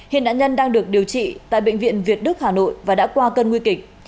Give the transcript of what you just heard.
hiện nạn nhân đang được điều trị tại bệnh viện việt đức hà nội và đã qua cơn nguy kịch